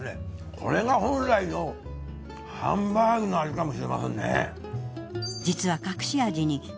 これが本来のハンバーグの味かもしれませんね。